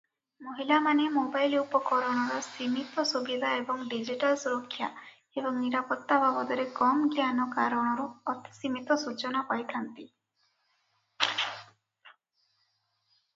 ମହିଳାମାନେ ମୋବାଇଲ ଉପକରଣର ସୀମିତ ସୁବିଧା ଏବଂ ଡିଜିଟାଲ ସୁରକ୍ଷା ଏବଂ ନିରାପତ୍ତା ବାବଦରେ କମ ଜ୍ଞାନ କାରଣରୁ ଅତି ସୀମିତ ସୂଚନା ପାଇଥାନ୍ତି ।